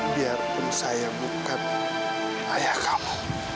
biarpun saya bukan ayah kamu